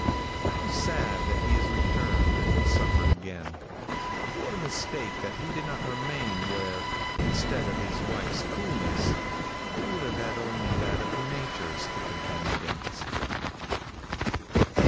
How sad that he has returned and suffered again. What a mistake that he did not remain where, instead of his wife's coolness, he would have had only that of nature to contend against.